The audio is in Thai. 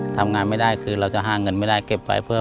ทำงานไม่ได้คือเราจะหาเงินไม่ได้เก็บไว้เพื่อ